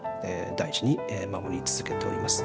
大事に守り続けております。